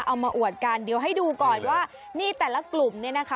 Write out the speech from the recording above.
เอามาอวดกันเดี๋ยวให้ดูก่อนว่านี่แต่ละกลุ่มเนี่ยนะคะ